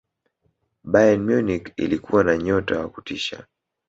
bayern munich ilikuwa na nyota wa kutisha